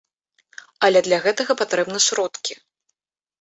Але для гэтага патрэбны сродкі.